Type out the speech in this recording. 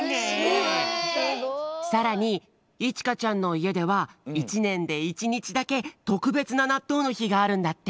さらにいちかちゃんのいえではいちねんでいちにちだけとくべつななっとうのひがあるんだって。